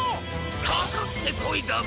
かかってこいだビ！